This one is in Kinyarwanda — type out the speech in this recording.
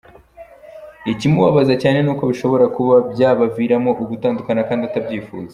Ikimubabaza cyane nuko bishobora kuba byabaviramo ugutandukana kandi atabyifuza.